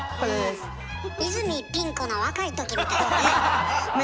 泉ピン子の若い時みたいよね。